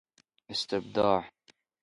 استبداع